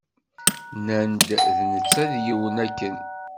Nnan-d d netta i d yiwen akken